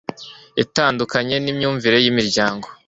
itandukanye n'imyumvire y'imiryango